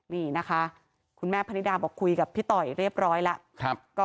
นี่นะคะคุณแม่พนิดาบอกคุยกับพี่ต่อยเรียบร้อยแล้ว